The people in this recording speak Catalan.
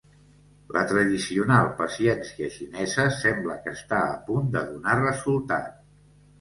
La tradicional paciència xinesa sembla que està a punt de donar resultat.